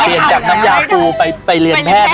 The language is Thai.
เปลี่ยนจากน้ำยาปูไปเรียนแพทย์ก่อน